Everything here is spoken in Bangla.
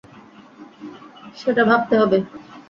সেটা ভাবতে হবে।